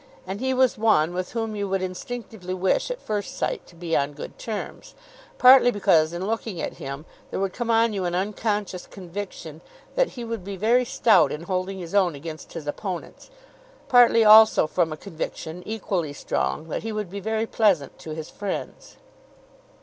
And he was one with whom you would instinctively wish at first sight to be on good terms, partly because in looking at him there would come on you an unconscious conviction that he would be very stout in holding his own against his opponents; partly also from a conviction equally strong, that he would be very pleasant to his friends.